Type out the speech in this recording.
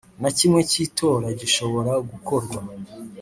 Na kimwe cy’itora gishobora gukorwa.